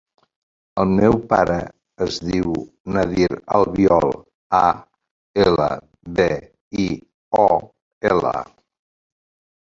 El meu pare es diu Nadir Albiol: a, ela, be, i, o, ela.